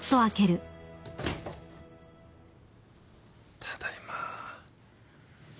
ただいま。